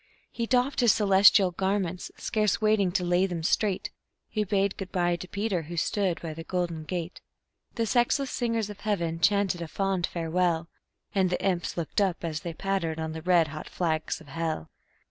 He doffed his celestial garments, scarce waiting to lay them straight; He bade good by to Peter, who stood by the golden gate; The sexless singers of heaven chanted a fond farewell, And the imps looked up as they pattered on the red hot flags of hell.